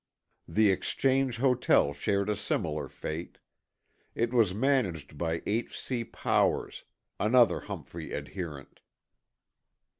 The Exchange Hotel shared a similar fate. It was managed by H. C. Powers, another Humphrey adherent.